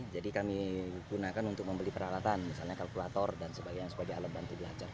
jadi kami gunakan untuk membeli peralatan misalnya kalkulator dan sebagainya sebagai alat bantu belajar